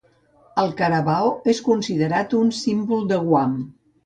El carabao és considerat un símbol de Guam.